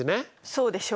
そうでしょう。